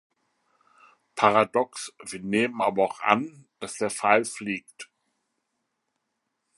Paradox: Wir nehmen aber auch an, dass der Pfeil fliegt.